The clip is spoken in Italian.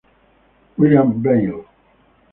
William Vail